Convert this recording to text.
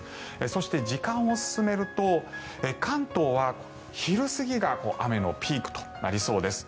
そして、時間を進めると関東は昼過ぎが雨のピークとなりそうです。